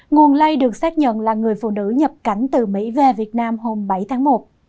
nguồn lây được xác nhận là người phụ nữ nhập cảnh từ mỹ về việt nam hôm bảy tháng một